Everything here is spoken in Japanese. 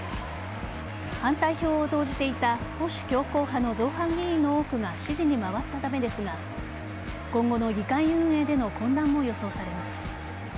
反対票を投じていた保守強硬派の造反議員の多くが支持に回ったためですが今後の議会運営での混乱も予想されます。